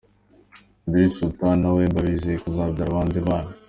Idriss Sultan na Wema bizeye kuzabyara abandi bana.